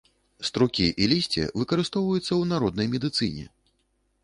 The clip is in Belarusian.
Струкі і лісце выкарыстоўваюцца ў народнай медыцыне.